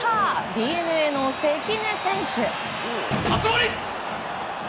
ＤｅＮＡの関根選手。